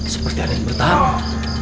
seperti ada yang bertarung